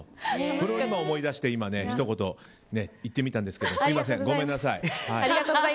それを今思い出してひと言、言ってみたんですけどすみません、ごめんなさい。